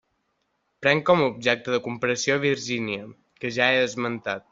Prenc com a objecte de comparació Virgínia, que ja he esmentat.